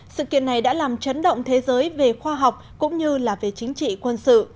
sự kiện này đã làm chấn động thế giới về khoa học cũng như là về chính trị quân sự